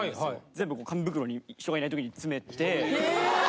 全部こう紙袋に人がいない時に詰めて。